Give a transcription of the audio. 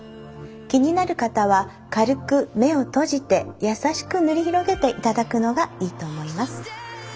気になる方は軽く目を閉じて優しく塗り広げていただくのがいいと思います。